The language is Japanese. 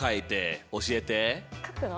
書くの？